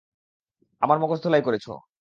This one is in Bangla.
আমার মগজ ধোলাই করেছ।